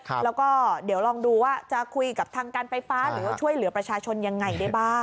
แล้วก็เดี๋ยวลองดูว่าจะคุยกับทางการไฟฟ้าหรือว่าช่วยเหลือประชาชนยังไงได้บ้าง